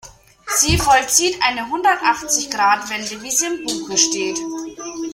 Sie vollzieht eine Hundertachzig-Grad-Wende, wie sie im Buche steht.